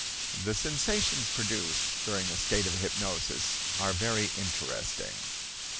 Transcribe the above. The sensations produced during a state of hypnosis are very interesting.